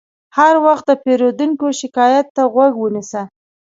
هر وخت د پیرودونکي شکایت ته غوږ ونیسه.